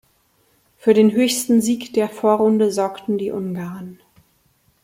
Für den höchsten Sieg der Vorrunde sorgten die Ungarn.